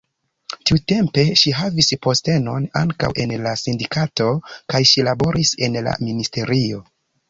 Tiutempe ŝi havis postenon ankaŭ en la sindikato kaj ŝi laboris en la ministerio.